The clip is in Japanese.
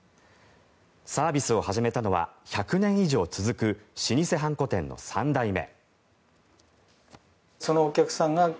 サービスを始めたのは１００年以上続く老舗判子店の３代目。